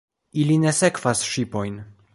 Ili ne sekvas ŝipojn.